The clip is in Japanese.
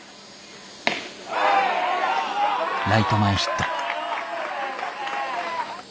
ライト前ヒット。